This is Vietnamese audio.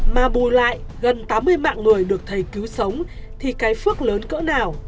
mà bù lại gần tám mươi mạng người được thầy cứu sống thì cái phước lớn cỡ nào